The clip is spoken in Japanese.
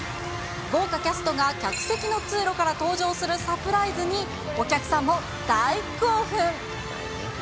豪華キャストが客席の通路から登場するサプライズに、お客さんも大興奮。